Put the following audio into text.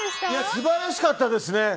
素晴らしかったですね。